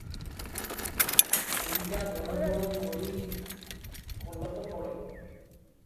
ଦୁଇଟା ବଡ଼ ବଡ଼ ନଳୀ କୋଲପ ପଡ଼େ ।